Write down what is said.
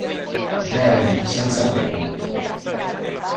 Jeremy senza freni!